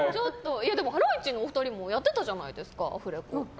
ハライチのお二人もやってたじゃないですかアフレコ。